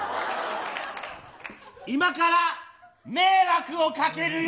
今から迷惑をかけるよ。